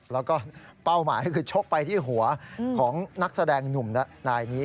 แล้วก็เป้าหมายคือชกไปที่หัวของนักแสดงหนุ่มนายนี้